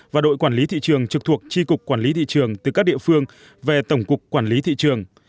và đội quản lý tỷ trường trực thuộc tri cục quản lý tỷ trường từ các địa phương về tổng cục quản lý tỷ trường